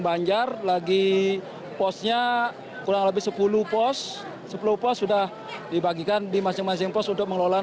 banjar lagi posnya kurang lebih sepuluh pos sepuluh pos sudah dibagikan di masing masing pos untuk mengelola